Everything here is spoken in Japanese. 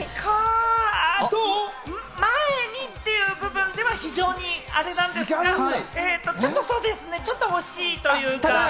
前にという部分では非常にあれなんですが、ちょっと惜しいというか。